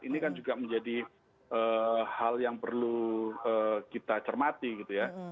ini kan juga menjadi hal yang perlu kita cermati gitu ya